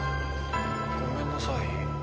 ごめんなさい。